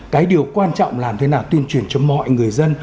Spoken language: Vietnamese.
cái điều quan trọng làm thế nào tuyên truyền cho mọi người dân